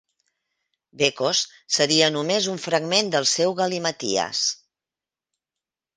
Becos seria només un fragment del seu galimaties.